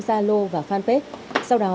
zalo và fanpage sau đó